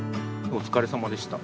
お疲れさまでした。